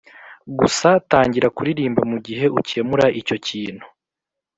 gusa tangira kuririmba mugihe ukemura icyo kintu